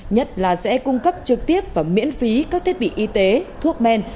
nhất là sẽ cung cấp trực tiếp và miễn phí các thiết bị y tế thuốc men